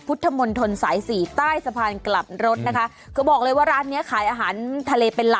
พุทธมณฑ์ถนน๔ใต้สะพานกลับรถนะคะก็บอกเลยว่าร้านยี้ขายอาหารทะเลเป็น